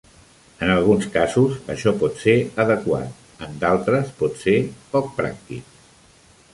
En alguns casos això pot ser adequat; en d'altres, pot ser poc pràctic.